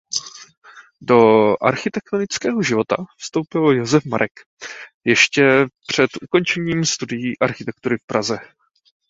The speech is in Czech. Do architektonického života vstoupil Josef Marek ještě před ukončením studií architektury v Praze.